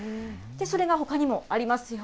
それがほかにもありますよ。